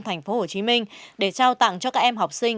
tp hcm để trao tặng cho các em học sinh